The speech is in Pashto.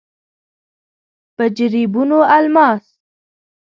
په جريبونو الماس.